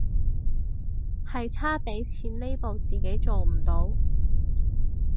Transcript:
係差畀錢呢步自己做唔到